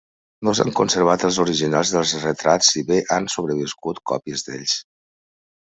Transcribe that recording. No s'han conservat els originals dels retrats si bé han sobreviscut còpies d'ells.